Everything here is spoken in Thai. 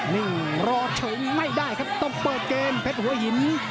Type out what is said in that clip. นี่รอชมไม่ได้ครับต้องเปิดเกมเพชรหัวหิน